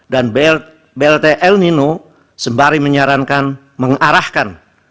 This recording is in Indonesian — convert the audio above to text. dan blt el nino sembari menyarankan mengarahkan